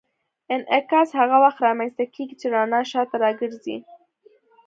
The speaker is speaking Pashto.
انعکاس هغه وخت رامنځته کېږي چې رڼا شاته راګرځي.